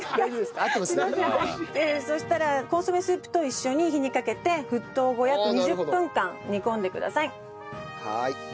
そしたらコンソメスープと一緒に火にかけて沸騰後約２０分間煮込んでください。